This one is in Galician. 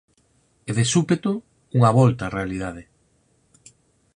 E de súpeto unha volta á realidade.